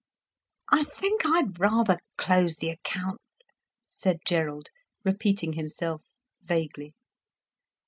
"I think I'd rather close the account," said Gerald, repeating himself vaguely.